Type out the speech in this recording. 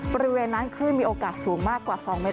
บริเวณนั้นคลื่นมีโอกาสสูงมากกว่า๒เมตร